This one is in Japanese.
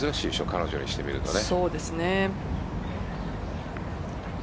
彼女にしてみるとね。